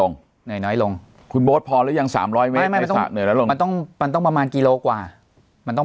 น้อยลงคุณโม้ทพอหรือยัง๓๐๐เมตรประมาณกิโลกว่ามันต้อง